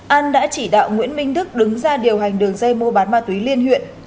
an đã chỉ đạo nguyễn minh đức đứng ra điều hành đường dây mua bán ma túy liên huyện